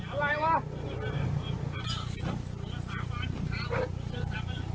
อะไรวะ